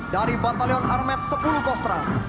dari batalion armet sepuluh kostra